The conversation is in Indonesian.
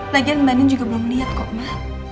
lagian mbak nin juga belum liat kok ma